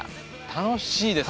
楽しいですね